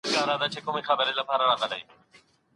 موږ باید هر وخت ډېري مڼې راوړو.